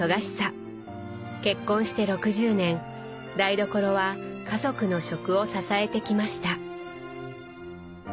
結婚して６０年台所は家族の食を支えてきました。